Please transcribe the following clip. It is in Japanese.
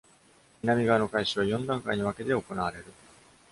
南側の改修は四段階に分けて行われる。